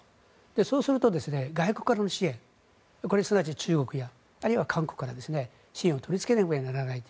そうすると、外国からの支援すなわち中国や韓国から支援を取りつけなければならないと。